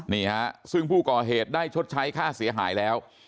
นี่ฮะซึ่งผู้ก่อเหตุได้ชดใช้ค่าเสียหายแล้ว